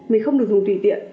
mình không được dùng tùy tiện